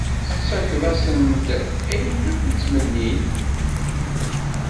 Tettakeḍ-asen-d ayen akk i ttmennin.